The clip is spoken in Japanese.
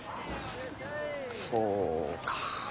そうか。